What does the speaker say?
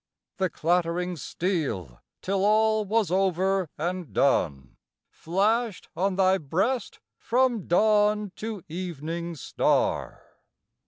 The clattering steel till all was over and done, Flashed on thy breast from dawn to evening star.